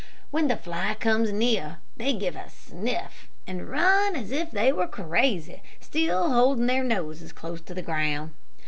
When the fly comes near, they give a sniff and run as if they were crazy, still holding their noses close to the ground.